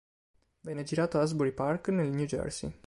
Venne girato a Asbury Park, nel New Jersey.